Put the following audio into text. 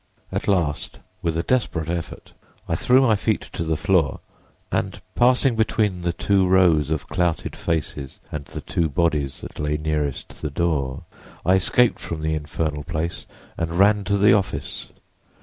At last, with a desperate effort I threw my feet to the floor and passing between the two rows of clouted faces and the two bodies that lay nearest the door, I escaped from the infernal place and ran to the office.